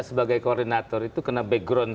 sebagai koordinator itu kena background